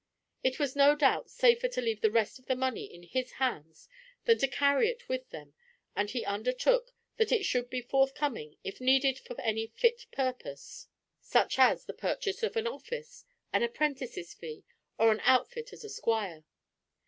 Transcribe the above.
It was no doubt safer to leave the rest of the money in his hands than to carry it with them, and he undertook that it should be forthcoming, if needed for any fit purpose, such as the purchase of an office, an apprentice's fee, or an outfit as a squire.